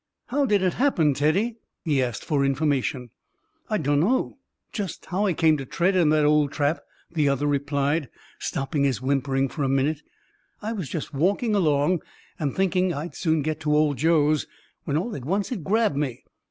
"How did it happen, Teddy?" he asked, for information. "I dunno just how I came to tread in that old trap," the other replied, stopping his whimpering for a minute. "I was just walking along, and thinkin' I'd soon get to Old Joe's, when all at once it grabbed me.